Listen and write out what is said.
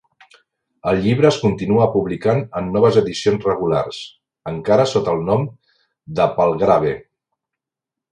El llibre es continua publicant en noves edicions regulars; encara sota el nom de Palgrave.